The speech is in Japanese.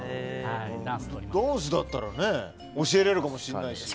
ダンスだったら教えられるかもしれないし。